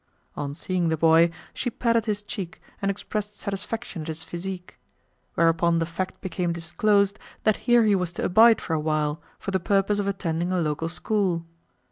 On seeing the boy, she patted his cheek and expressed satisfaction at his physique; whereupon the fact became disclosed that here he was to abide for a while, for the purpose of attending a local school.